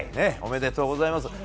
おめでとうございます。